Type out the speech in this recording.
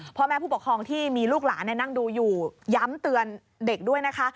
พ่อแม่ผู้ปกครองที่มีลูกหลานนั่งดูอยู่ย้ำเตือนเด็กด้วยนะคะ